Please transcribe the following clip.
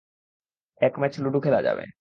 এক match ludo খেলা যাবে।